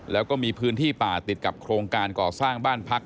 แล้วก็มีพื้นที่ป่าติดกับโครงการก่อสร้างบ้านพัก